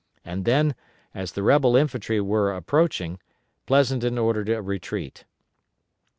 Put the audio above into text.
And then, as the rebel infantry were approaching, Pleasonton ordered a retreat.